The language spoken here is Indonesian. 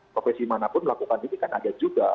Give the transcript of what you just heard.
profesi manapun melakukan ini kan ada juga